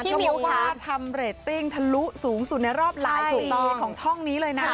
พี่มิวค่ะทำเรตติ้งทะลุสูงสุดในรอบหลายของช่องนี้เลยนะ